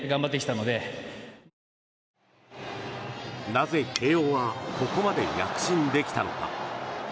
なぜ慶応はここまで躍進できたのか。